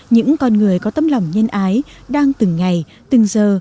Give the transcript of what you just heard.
những con người có tâm lòng nhân ái đang từng ngày từng giờ